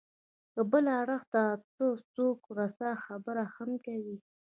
که بل اړخ ته څوک راسا خبره هم کوي.